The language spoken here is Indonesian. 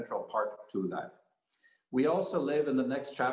dan kembang konsumen dan kebutuhan